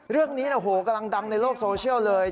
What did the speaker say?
เรื่องนี้กำลังดังในโลกโซเชียลเลย